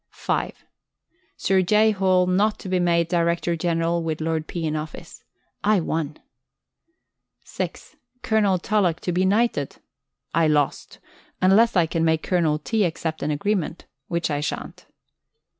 (5) Sir J. Hall not to be made Director General while Lord P. in office. I won. (6) Colonel Tulloch to be knighted. I lost (unless I can make Col. T. accept an agreement, which I shan't).